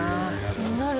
気になる。